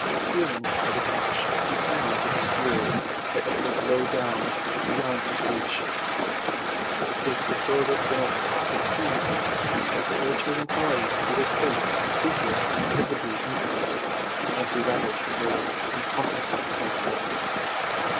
Feeling for the catch, he found to his fury that it was low down, beyond his reach. To his disordered brain it seemed then that the irritating quality in Peter's face and figure visibly increased, and he rattled the door and flung himself against it.